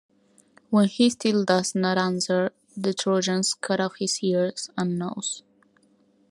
When he still does not answer, the Trojans cut off his ears and nose.